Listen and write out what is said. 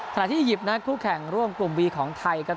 ขณะที่อียิปต์นะคู่แข่งร่วมกลุ่มวีของไทยครับ